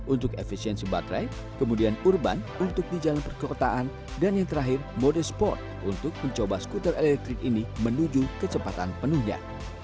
untuk efisiensi baterai kemudian urban untuk di jalan perkotaan dan yang terakhir mode sport untuk mencoba skuter elektrik ini menuju kecepatan penuhnya